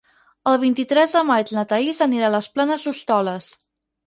El vint-i-tres de maig na Thaís anirà a les Planes d'Hostoles.